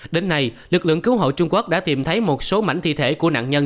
đến nay lực lượng cứu hộ trung quốc đã tìm thấy một số mảnh thi thể của nạn nhân